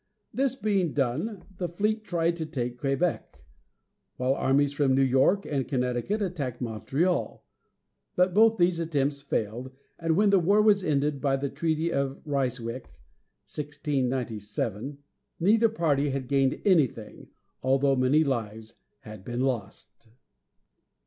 This being done, the fleet tried to take Quebec, while armies from New York and Connecticut attacked Montreal. But both these attempts failed, and when the war was ended by the treaty of Rys´wick (1697), neither party had gained anything, although many lives had been lost.